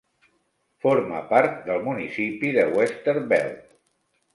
Forma part del municipi de Westerveld.